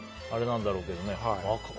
あれなんだろうけどね。